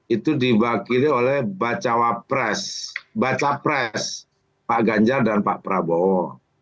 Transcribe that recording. itu diwakili oleh bacawa pres baca pres pak ganjar dan pak prabowo